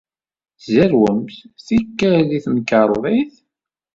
Tzerrwemt, tikkal, deg temkarḍit?